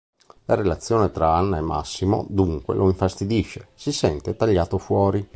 La relazione tra Anna e Massimo, dunque, lo infastidisce, si sente tagliato fuori.